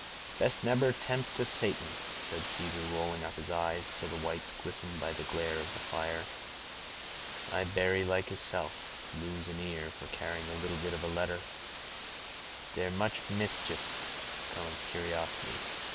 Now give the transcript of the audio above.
"Best nebber tempt a Satan," said Caesar, rolling up his eyes till the whites glistened by the glare of the fire. "I berry like heself to lose an ear for carrying a little bit of a letter; dere much mischief come of curiosity.